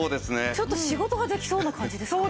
ちょっと仕事ができそうな感じですか？